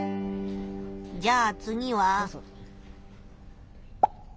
じゃあ次は？